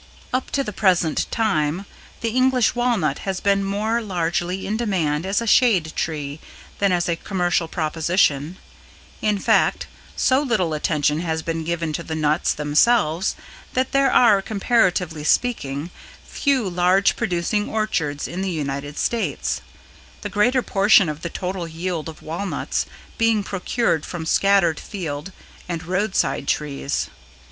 Up to the present time, the English Walnut has been more largely in demand as a shade tree than as a commercial proposition; in fact, so little attention has been given to the nuts themselves that there are, comparatively speaking, few large producing orchards in the United States, the greater portion of the total yield of walnuts being procured from scattered field and roadside trees.